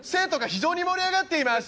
「非常に盛り上がっています。